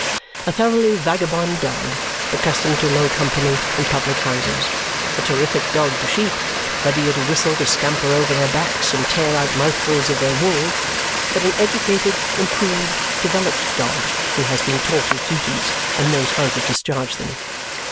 A thoroughly vagabond dog, accustomed to low company and public houses; a terrific dog to sheep, ready at a whistle to scamper over their backs and tear out mouthfuls of their wool; but an educated, improved, developed dog who has been taught his duties and knows how to discharge them.